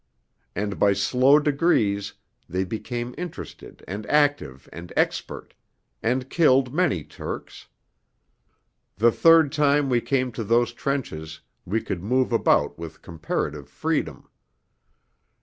And by slow degrees they became interested and active and expert, and killed many Turks. The third time we came to those trenches we could move about with comparative freedom.